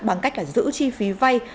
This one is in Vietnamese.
bằng cách giữ chi phí vay